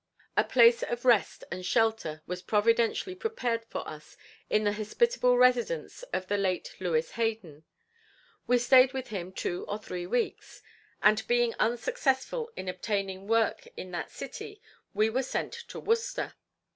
A place of rest and shelter was providentially prepared for us in the hospitable residence of the late Lewis Hayden. We stayed with him two or three weeks, and being unsuccessful in obtaining work in that city we were sent to Worcester.